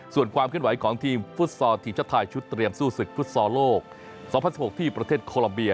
ส่วนความเคลื่อนไหวของทีมฟุตซอลทีมชาติไทยชุดเตรียมสู้ศึกฟุตซอลโลก๒๐๑๖ที่ประเทศโคลัมเบีย